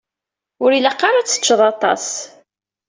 Ur ilaq ara ad teččeḍ aṭas.